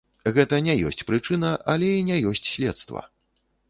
Гэта не ёсць прычына, але і не ёсць следства.